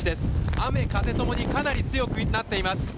雨、風ともに強くなっています。